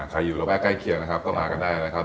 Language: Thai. ใครอยู่ระแว่ใกล้เคียงก็มากันได้นะครับ